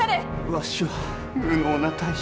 わしは無能な大将じゃ。